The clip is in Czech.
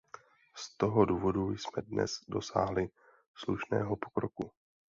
Z toho důvodu jsme dnes dosáhli slušného pokroku.